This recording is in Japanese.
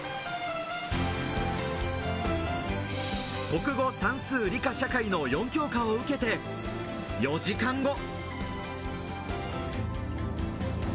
国語、算数、理科、社会の４教科を受けて４時間後。